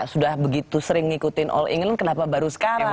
sudah begitu sering ngikutin all england kenapa baru sekarang